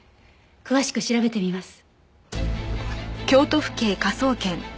詳しく調べてみます。